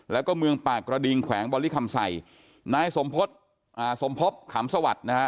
แล้วก็เมืองปากกระดิงแขวงบริคำใส่นายสมพฤษอ่าสมภพขำสวัสดิ์นะฮะ